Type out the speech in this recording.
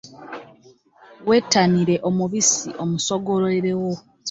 Wettanire omubisi omusogolerewo.